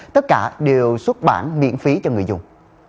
tất cả đều xuất bản miễn phí cho người dùng